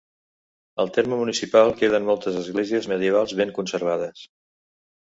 Al terme municipal queden moltes esglésies medievals ben conservades.